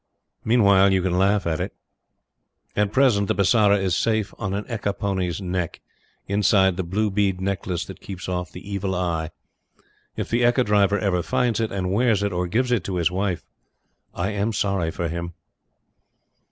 Meanwhile, you can laugh at it. At present, the Bisara is safe on an ekka pony's neck, inside the blue bead necklace that keeps off the Evil eye. If the ekka driver ever finds it, and wears it, or gives it to his wife, I am sorry for him.